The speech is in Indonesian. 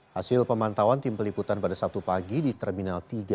hasil pemantauan tim peliputan pada sabtu pagi di terminal tiga